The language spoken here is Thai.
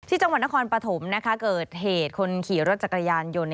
จังหวัดนครปฐมเกิดเหตุคนขี่รถจักรยานยนต์